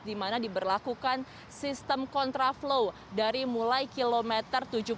di mana diberlakukan sistem kontraflow dari mulai kilometer tujuh puluh